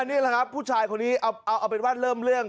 นี่แหละครับผู้ชายคนนี้เอาเป็นว่าเริ่มเรื่อง